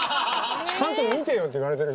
ちゃんと見てよって言われてるから。